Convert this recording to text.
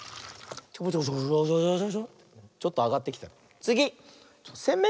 ちょっとあがってきたよ。